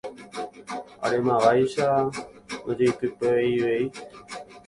arémavaicha ndojeitypeivéi